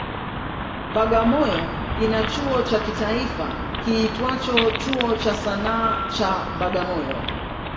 Bagamoyo ina chuo cha kitaifa kiitwacho Chuo cha Sanaa cha Bagamoyo.